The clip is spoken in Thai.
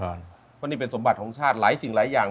เพราะนี่เป็นสมบัติของชาติหลายสิ่งหลายอย่าง